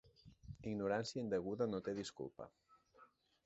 Ignorància indeguda no té disculpa.